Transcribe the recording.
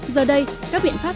giờ đây các biện pháp